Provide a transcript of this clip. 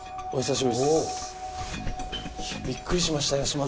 おお。いやびっくりしましたよ